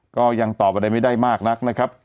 ก็ยังตอบอะไรไม่ได้มากนักนะครับ